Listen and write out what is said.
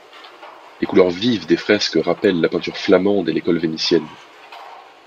Les couleurs vives des fresques rappellent la peinture flamande et l'école vénitienne.